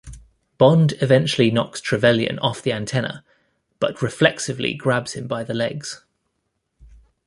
Bond eventually knocks Trevelyan off the antenna, but reflexively grabs him by the legs.